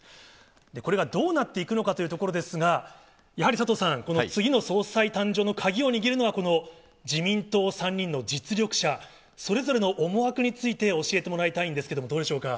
これがどうなっていくのかというところなんですが、やはり佐藤さん、次の総裁誕生の鍵を握るのは、この自民党３人の実力者、それぞれの思惑について教えてもらいたいんですけど、どうでしょうか。